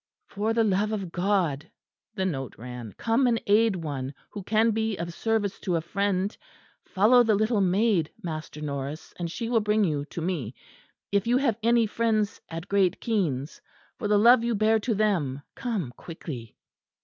"For the love of God," the note ran, "come and aid one who can be of service to a friend: follow the little maid Master Norris, and she will bring you to me. If you have any friends at Great Keynes, for the love you bear to them, come quickly."